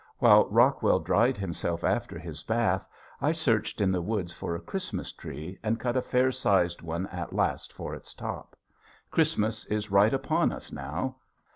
While Rockwell dried himself after his bath I searched in the woods for a Christmas tree and cut a fair sized one at last for its top. Christmas is right upon us now.